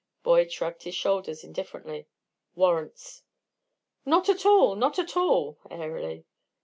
Boyd shrugged his shoulders indifferently: "Warrants!" "Not at all! Not at all!" airily.